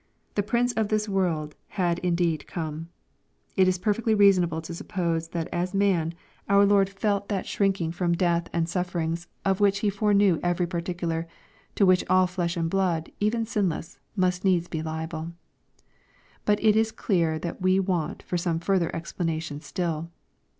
The prince of this world had indeed come. It ia perfectly reasonable to suppose that as man, our Lord felt that LUKE, CHAP. XXII. 427 tBhrinking from death and sufferings, of which He foreknow every particular, to which all flesh and blood, even sinless, must needs be liable. But it is clear that we want some further explanation still.